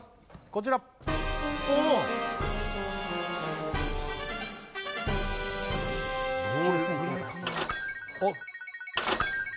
こちらおおっ！